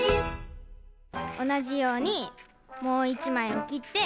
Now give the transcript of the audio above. おなじようにもういちまいをきって。